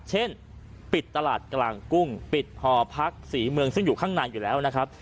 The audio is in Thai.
เช่นปิดตลาดกลางกุ้งปิดหอพักศรีเมืองซึ่งอยู่ข้างในอยู่แล้วนะครับ